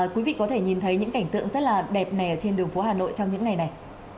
quý vị có thể nhìn thấy những cảnh tượng rất là đẹp này trên đường phố hà nội trong những ngày này